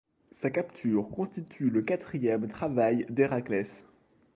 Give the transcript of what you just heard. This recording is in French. Sa capture constitue le quatrième travail d'Héraclès.